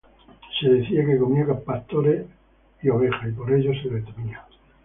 Se decía que comía pastores y ovejas, y por ello se le temía.